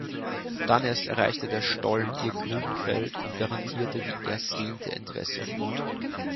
Dann erst erreichte der Stollen ihr Grubenfeld und garantierte die ersehnte Entwässerung.